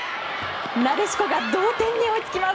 なでしこが同点に追いつきます。